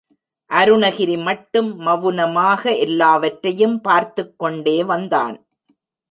அருணகிரி மட்டும் மவுனமாக எல்லாவற்றையும் பார்த்துக் கொண்டே வந்தான்.